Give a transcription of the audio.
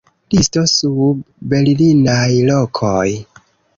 Listo sub Berlinaj lokoj.